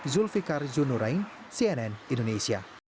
zulfikar zunurain cnn indonesia